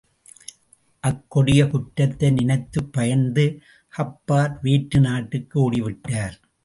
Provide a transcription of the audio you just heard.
அக்கொடிய குற்றத்தை நினைத்துப் பயந்த ஹப்பார், வேற்று நாட்டுக்கு ஓடிவிட்டார்.